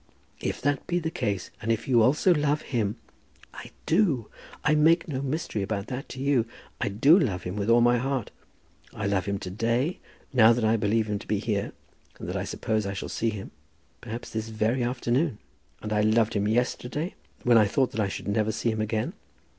"If that be the case, and if you also love him " "I do. I make no mystery about that to you. I do love him with all my heart. I love him to day, now that I believe him to be here, and that I suppose I shall see him, perhaps this very afternoon. And I loved him yesterday, when I thought that I should never see him again.